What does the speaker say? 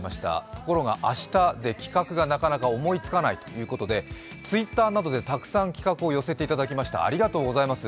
ところが明日で企画がなかなか思いつかないということでＴｗｉｔｔｅｒなどでたくさん企画を寄せていただきました、ありがとうございます。